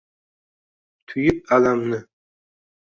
Tuyib alamni